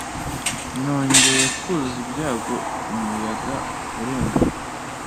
nongeye kuzuza ibyago umuyaga urengana. .